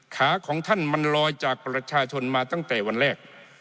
ขาของท่านมันลอยจากประชาชนมาตั้งแต่วันแรก